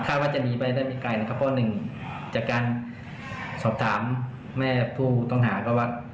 ว่าจะหนีไปได้ไม่ไกลนะครับเพราะหนึ่งจากการสอบถามแม่ผู้ต้องหาก็ว่า